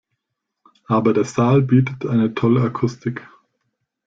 Aber der Saal bietet eine tolle Akustik.